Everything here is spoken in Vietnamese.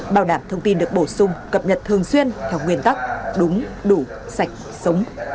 bảo đảm thông tin được bổ sung cập nhật thường xuyên theo nguyên tắc đúng đủ sạch sống